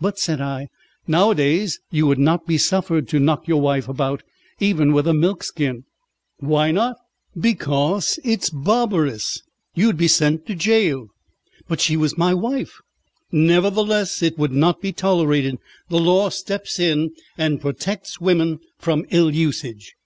"But," said I, "nowadays you would not be suffered to knock your wife about, even with a milk skin." "Why not?" "Because it is barbarous. You would be sent to gaol." "But she was my wife." "Nevertheless it would not be tolerated. The law steps in and protects women from ill usage."